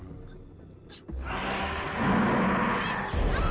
kami cuma mau meminjam